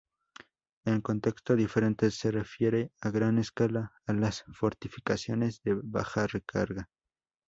En contexto diferente, se refiere a gran escala, a las fortificaciones de baja carga.